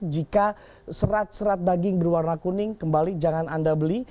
jika serat serat daging berwarna kuning kembali jangan anda beli